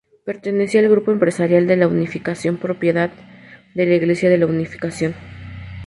Pertenecía al Grupo Empresarial de la Unificación, propiedad de la Iglesia de la Unificación.